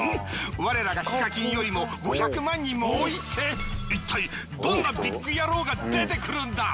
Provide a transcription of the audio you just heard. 我らがＨＩＫＡＫＩＮよりも５００万人も多いって一体どんなビッグ野郎が出てくるんだ！？